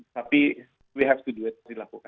tapi kita harus melakukannya